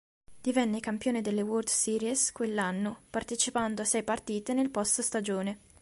Divenne campione delle World Series quell'anno, partecipando a sei partite nel post-stagione.